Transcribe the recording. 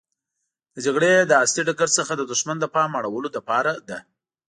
د جګړې له اصلي ډګر څخه د دښمن د پام اړولو لپاره ده.